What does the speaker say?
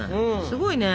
すごいね。